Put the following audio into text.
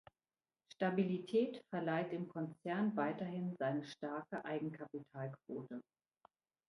Stabilität verleiht dem Konzern weiterhin seine starke Eigenkapitalquote.